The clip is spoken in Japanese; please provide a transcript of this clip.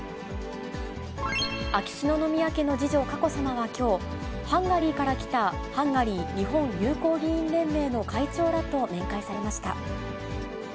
秋篠宮家の次女、佳子さまはきょう、ハンガリーから来たハンガリー日本友好議員連盟の会長らと面会されました。